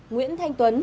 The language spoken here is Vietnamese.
nguyễn thanh tuấn